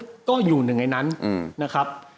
ก็อยู่หนึ่งในนั้นนะครับ